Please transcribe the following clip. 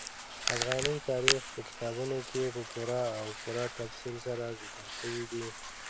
افغاني تاریخ په کتابونو کې په پوره او پوره تفصیل سره ذکر شوی دي.